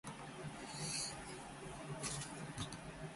自分の名前が嫌いだった